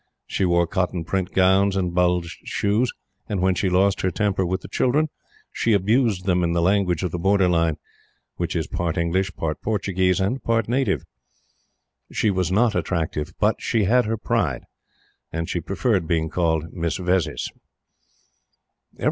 She wore cotton print gowns and bulged shoes; and when she lost her temper with the children, she abused them in the language of the Borderline which is part English, part Portuguese, and part Native. She was not attractive; but she had her pride, and she preferred being called "Miss Vezzis."